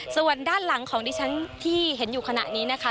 ส่วนด้านหลังของดิฉันที่เห็นอยู่ขณะนี้นะคะ